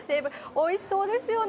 おいしそうですよね。